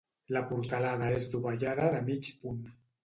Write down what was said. La portalada és dovellada de mig punt.